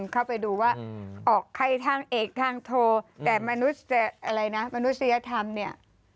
ใครทางเอกทางโทรแต่มนุษยธรรมนี่